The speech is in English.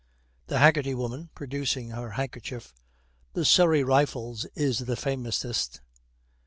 THE HAGGERTY WOMAN, producing her handkerchief, 'The Surrey Rifles is the famousest.'